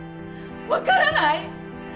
分からない